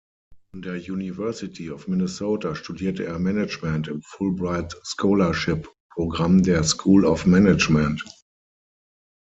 An der University of Minnesota studierte er Management im Fulbright-Scholarship-Programm der School of Management.